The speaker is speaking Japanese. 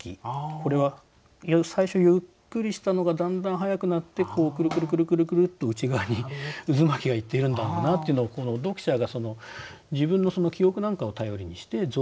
これは最初ゆっくりしたのがだんだんはやくなってくるくるくるくるくるっと内側に渦巻きがいっているんだろうなっていうのを読者が自分の記憶なんかを頼りにして像を結ぶわけですよね。